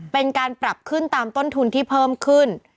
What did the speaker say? เป็นการปรับขึ้นตามต้นทุนที่เพิ่มขึ้น